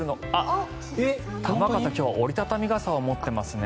玉川さん、今日は折り畳み傘を持ってますね。